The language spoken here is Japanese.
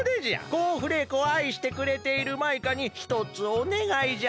コーンフレークをあいしてくれているマイカにひとつおねがいじゃ。